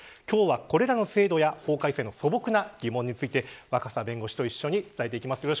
今日は、これらの制度や法改正の素朴な疑問について若狭弁護士と一緒に伝えてきます。